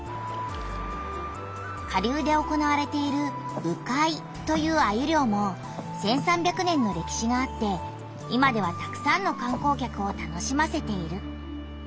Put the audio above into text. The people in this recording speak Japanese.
下流で行われている鵜飼いというアユりょうも１，３００年の歴史があって今ではたくさんのかん光客を楽しませている。